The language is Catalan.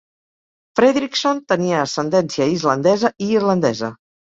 Fredrickson tenia ascendència islandesa i irlandesa.